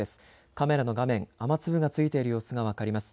カメラの画面、雨粒がついている様子が分かります。